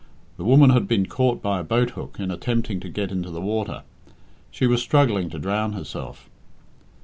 The woman had been caught by a boathook in attempting to get into the water. She was struggling to drown herself.